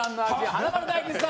華丸・大吉さん